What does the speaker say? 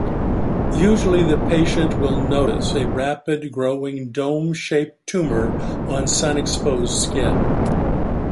Usually the patient will notice a rapidly growing dome-shaped tumor on sun-exposed skin.